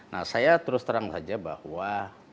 nah saya terus terang saja bahwa